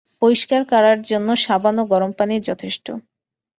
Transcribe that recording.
পরিষ্কার করার জন্য সাবান ও গরম পানিই যথেষ্ট।